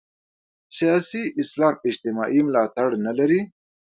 سیاسي اسلام اجتماعي ملاتړ نه لري.